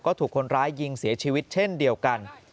ก็ถูกคนร้ายยิงเสียชีวิตเช่นเดียวกัน